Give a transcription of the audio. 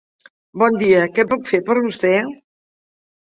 Bon dia què puc fer per vostè?